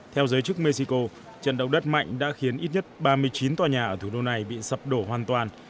theo giới chức mexico trận động đất mạnh đã khiến ít nhất ba mươi chín tòa nhà ở thủ đô này bị sập đổ hoàn toàn